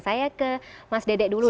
saya ke mas dede dulu